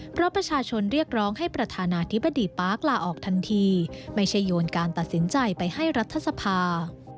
เพราะประชาชนเรียกร้องให้ประธานาธิบดีปาร์คลาออกทันทีไม่ใช่โยนการตัดสินใจไปให้รัฐสภา